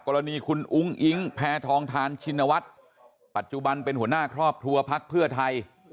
กรณีคุณอุ้งอิ๊งแพทองทานชินวัฒน์ปัจจุบันเป็นหัวหน้าครอบครัวพักเพื่อไทย